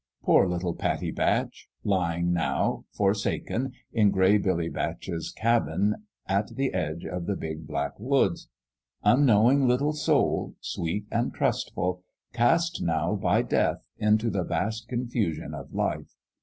Poor little Pattie Batch lying, now, forsaken, in Gray Billy Batch's cabin at the edge of the big, black woods ! Unknowing little soul, sweet and trustful cast now by Death into the vast confusion of life